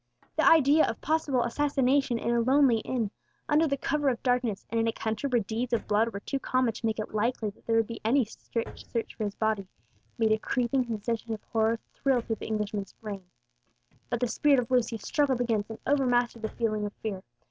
The idea of possible assassination in a lonely inn, under the cover of darkness, and in a country where deeds of blood were too common to make it likely that there would be any strict search for his body, made a creeping sensation of horror thrill through the Englishman's frame. But the spirit of Lucius struggled against and overmastered the feeling of fear.